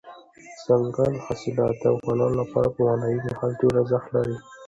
دځنګل حاصلات د افغانانو لپاره په معنوي لحاظ ډېر ارزښت لري.